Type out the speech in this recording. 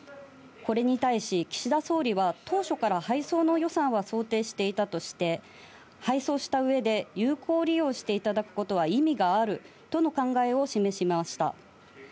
これに対し、岸田総理は当初から配送の予算は想定していたとして、配送したうえで、有効利用していただくことは、意味があるとの考えを示しました。